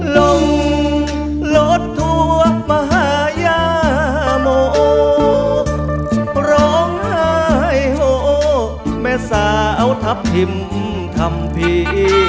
ลงรถทั่วมหาญาโมร้องไห้โฮแม่สาวทัพพิมธรรมภีร์